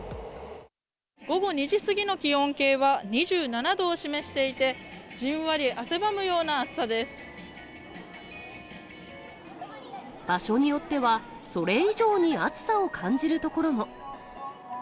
午後２時過ぎの気温計は、２７度を示していて、じんわり汗場所によっては、それ以上に暑さを感じる所も。